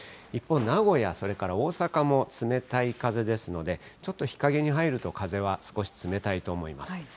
一方、名古屋、それから大阪も冷たい風ですので、ちょっと日陰に入ると、風は少し冷たいと思います。